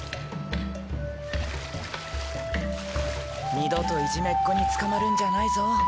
二度といじめっ子に捕まるんじゃないぞ。